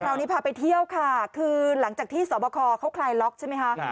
คราวนี้พาไปเที่ยวค่ะคือหลังจากที่สอบคอเขาคลายล็อกใช่ไหมคะ